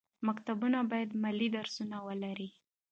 مکتبونه باید مالي درسونه ولري.